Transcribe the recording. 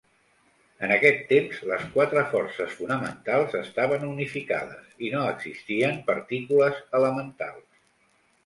En aquest temps, les quatre forces fonamentals estaven unificades i no existien partícules elementals.